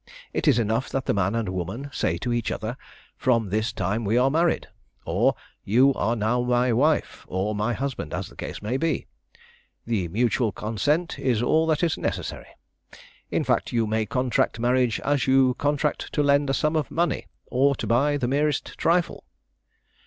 It is enough that the man and woman say to each other, 'From this time we are married,' or, 'You are now my wife,' or, 'my husband,' as the case may be. The mutual consent is all that is necessary. In fact, you may contract marriage as you contract to lend a sum of money, or to buy the merest trifle."